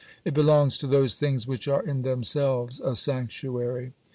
It belongs to those things which are in themselves a sanctuary."